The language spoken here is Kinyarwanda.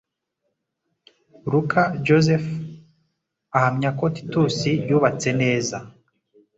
Luka Josephe ahamya ko Titus yubatse neza